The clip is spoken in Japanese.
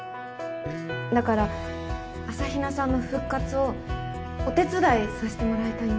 だから朝比奈さんの復活をお手伝いさせてもらいたいんです。